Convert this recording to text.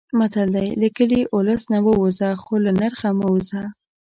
متل دی: له کلي، اولس نه ووځه خو له نرخه مه وځه.